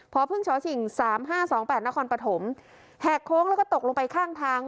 พอพึ่งชชิง๓๕๒๘นครปฐมแหกโค้งแล้วก็ตกลงไปข้างทาง